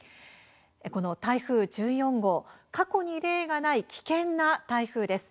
この台風１４号過去に例がない危険な台風です。